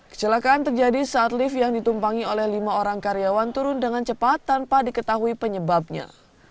kecelakaan terjadi saat lift yang ditumpangi oleh lima orang karyawan turun dengan cepat tanpa diketahui penyebabnya